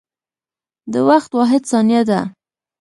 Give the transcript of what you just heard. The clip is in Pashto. د وخت واحد ثانیه ده.